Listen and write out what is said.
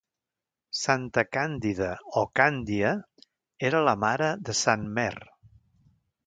Santa Càndida o Càndia era la mare de Sant Mer.